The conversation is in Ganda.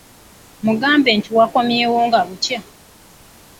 Mugambe nti wakomyewo nga bukya?